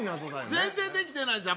全然できてないじゃん！